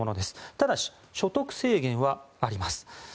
ただし、所得制限はあります。